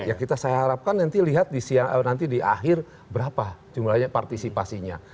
ya kita saya harapkan nanti lihat nanti di akhir berapa jumlahnya partisipasinya